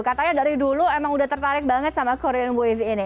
katanya dari dulu emang udah tertarik banget sama korean wave ini